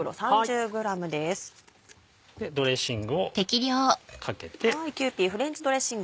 ドレッシングをかけて。